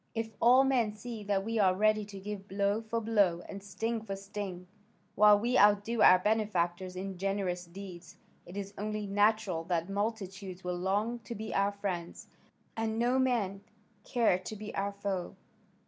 If all men see that we are ready to give blow for blow and sting for sting, while we outdo our benefactors in generous deeds, it is only natural that multitudes will long to be our friends, and no man care to be our foe.